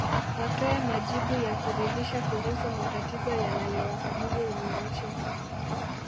Watoe majibu ya kuridhisha kuhusu matatizo yanayowakabili wananchi